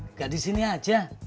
nggak di sini aja